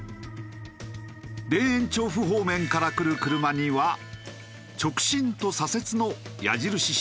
田園調布方面から来る車には直進と左折の矢印信号。